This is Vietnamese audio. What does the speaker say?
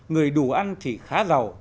người đủ ăn thì khá giàu